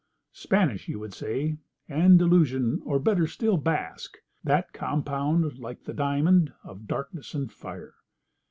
Spanish, you would say; Andalusian, or, better still, Basque; that compound, like the diamond, of darkness and fire.